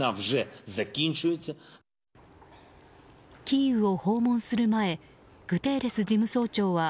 キーウを訪問する前グテーレス事務総長は